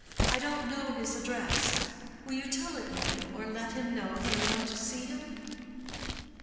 I don't know his address. Will you tell it me, or let him know that I want to see him?"